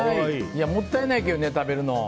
もったいないけどね、食べるの。